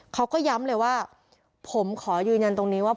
เขาก็ย้ำเลยว่าผมขอยืนยันตรงนี้ว่า